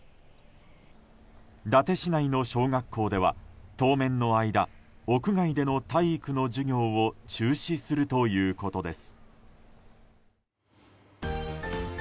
伊達市内の小学校では当面の間屋外での体育の授業を中止するということです。